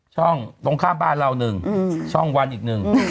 ช่องตรงข้ามบ้านเรา๑ช่องวันอีก๑